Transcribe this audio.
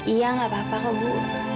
iya nggak apa apa kok bu